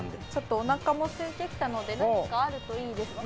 おなかもすいてきたので何かあるといいですね。